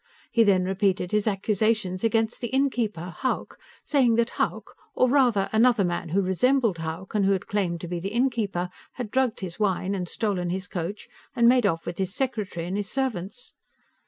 He then repeated his accusations against the innkeeper, Hauck, saying that Hauck, or, rather, another man who resembled Hauck and who had claimed to be the innkeeper, had drugged his wine and stolen his coach and made off with his secretary and his servants.